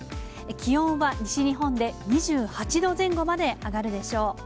気温は西日本で２８度前後まで上がるでしょう。